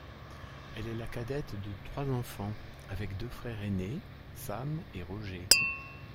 Elle est la cadette de trois enfants, avec deux frères aînés Sam et Roger.